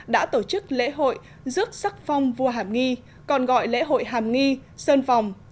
đã tổ chức lễ hội rước sắc phong vua hàm nghi còn gọi lễ hội hàm nghi sơn phòng